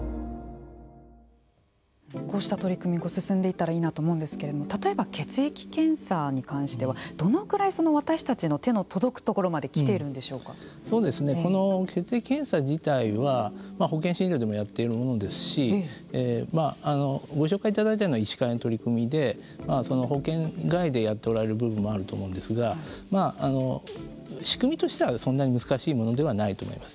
こうした取り組みが進んでいったらいいなと思うんですけれども例えば、血液検査に関してはどのぐらい私たちの手の届くところまでこの血液検査自体は保険診療でもやっているものですしご紹介したのは医師会の取り組みで保険外でやっておられる部分もあると思うんですが仕組みとしてはそんなに難しいものではないと思います。